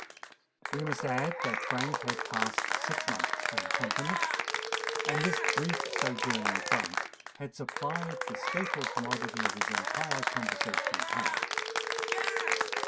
We must add, that Frank had passed six months on the continent; and this brief sojourn in France had supplied the staple commodity of his entire conversational powers.